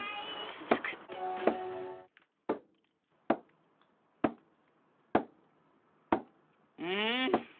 続くうん。